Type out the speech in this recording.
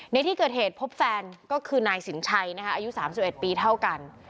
ในที่เกิดเหตุพบแฟนก็คือนายสินชัยนะคะอายุ๓๑ปีเท่ากัน